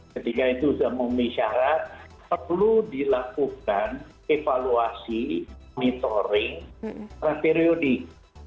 ketika itu sudah memiliki syarat perlu dilakukan evaluasi monitoring terapereodik